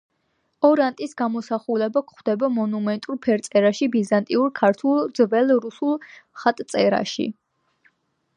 ორანტის გამოსახულება გვხვდება მონუმენტურ ფერწერაში, ბიზანტიურ, ქართულ, ძველ რუსულ ხატწერაში.